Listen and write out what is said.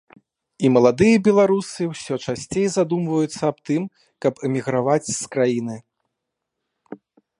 І маладыя беларусы ўсё часцей задумваюцца аб тым, каб эміграваць з краіны.